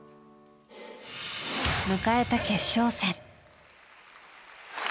迎えた決勝戦。